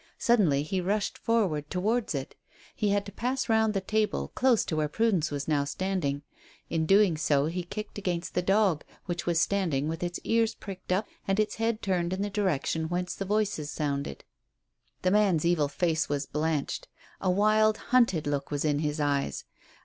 Suddenly he rushed forward towards it. He had to pass round the table, close to where Prudence was now standing. In doing so he kicked against the dog, which was standing with its ears pricked up and its head turned in the direction whence the voices sounded. The man's evil face was blanched. A wild, hunted look was in his eyes.